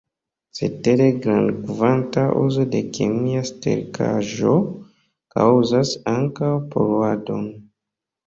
Cetere, grandkvanta uzo de kemia sterkaĵo kaŭzas ankaŭ poluadon.